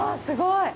すごい。